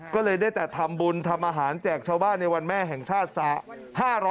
ก็เลยได้แต่ทำบุญทำอาหารแจกชาวบ้านในวันแม่แห่งชาติสะ